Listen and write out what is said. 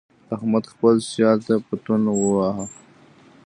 احمد خپل سیال ته پتون وواهه.